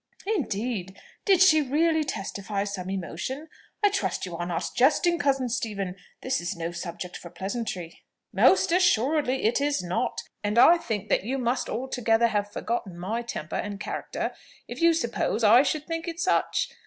"Indeed! Did she really testify some emotion? I trust you are not jesting, cousin Stephen; this is no subject for pleasantry." "Most assuredly it is not! and I think that you must altogether have forgotten my temper and character, if you suppose that I should think it such.